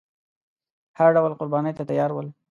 هر ډول قربانۍ ته تیار ول.